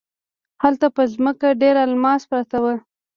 هلته په ځمکه ډیر الماسونه پراته وو.